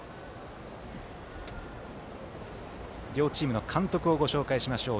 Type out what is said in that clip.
両チームの監督をご紹介しましょう。